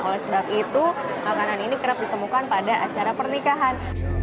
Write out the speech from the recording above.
oleh sebab itu makanan ini kerap ditemukan pada acara pernikahan